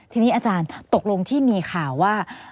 ทีนี้อาจารย์ตกลงที่มีข่าวว่า